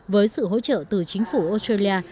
với sự hỗ trợ từ chính phủ australia